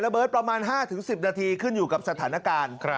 เบิร์ตประมาณ๕๑๐นาทีขึ้นอยู่กับสถานการณ์